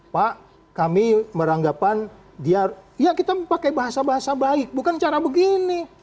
pak kami meranggapan dia ya kita pakai bahasa bahasa baik bukan cara begini